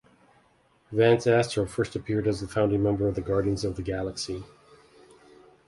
Vance Astro first appeared as a founding member of the Guardians of the Galaxy.